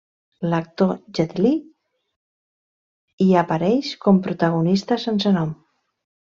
L'actor Jet Li hi apareix com protagonista sense nom.